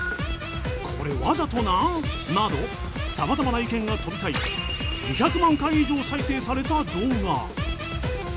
「これわざとなん？」などさまざまな意見が飛び交い２００万回以上再生された動画。